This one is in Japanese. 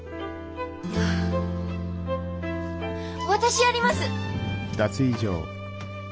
私やります！